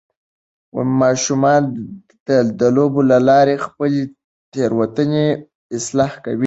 ماشومان د لوبو له لارې خپلې تیروتنې اصلاح کوي.